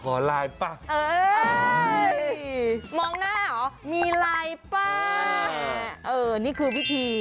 ขอไลน์ป่ะมองหน้าหรอมีไลน์ป่ะนี่คือวิธี